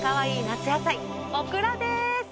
夏野菜オクラです。